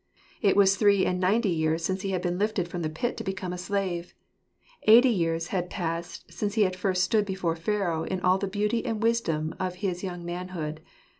It was three and ninety years since he had been lifted from the pit to become a slave. Eighty years had passed since he had first stood before Pharaoh in all the beauty and wisdom of his young manhood.